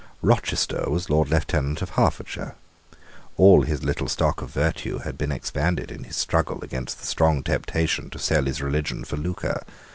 Rochester was Lord Lieutenant of Hertfordshire. All his little stock of virtue had been expended in his struggle against the strong temptation to sell his religion for lucre.